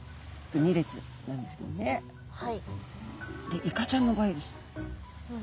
でイカちゃんの場合です。